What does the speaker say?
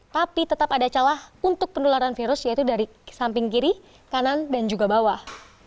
tapi tetap ada celah untuk penularan virus yaitu dari samping kiri kanan dan juga bawah